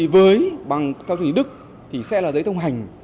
với bằng theo chương trình của đức thì sẽ là giấy thông hành